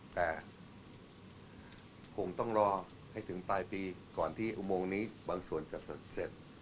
แต่คงต้องรอให้ถึงปลายปีก่อนที่อุโมงนี้บางส่วนจะเสร็จ